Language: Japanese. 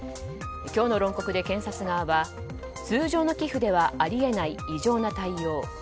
今日の論告で検察側は通常の寄付ではあり得ない異常な対応。